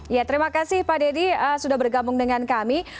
ya terima kasih pak deddy sudah bergabung dengan kami